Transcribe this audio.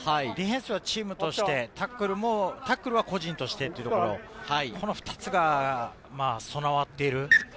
ディフェンスはチームとして、タックルは個人としてっていうところ、この２つが備わっている。